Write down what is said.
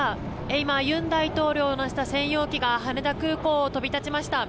今、尹大統領を乗せた専用機が羽田空港を飛び立ちました。